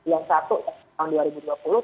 yang satu ya